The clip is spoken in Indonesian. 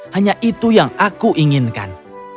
hanya itu yang aku inginkan